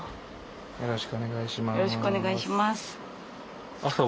よろしくお願いします。